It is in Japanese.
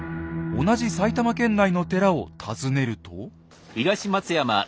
同じ埼玉県内の寺を訪ねると。